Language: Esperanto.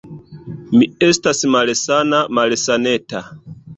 Mi estas malsana, malsaneta.